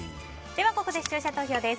ここで、視聴者投票です。